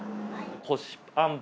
こしあん